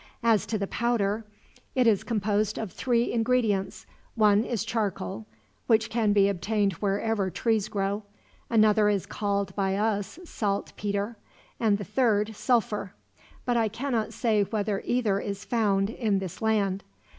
As to the powder, it is composed of three ingredients one is charcoal, which can be obtained wherever trees grow; another is called by us saltpeter; and the third, sulphur; but I cannot say whether either is found in this land.